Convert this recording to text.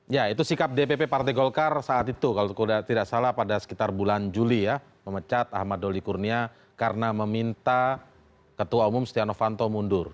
ya itu sikap dpp partai golkar saat itu kalau tidak salah pada sekitar bulan juli ya memecat ahmad doli kurnia karena meminta ketua umum setia novanto mundur